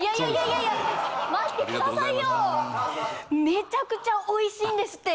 めちゃくちゃ美味しいんですって！